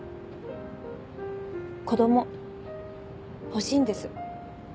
子供欲しいんです。